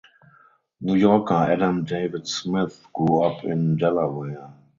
New Yorker Adam David Smith grew up in Delaware.